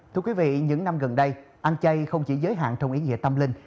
thưa quý vị những năm gần đây ăn chay không chỉ giới hạn trong ý nghĩa tâm linh